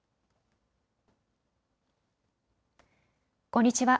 こんにちは。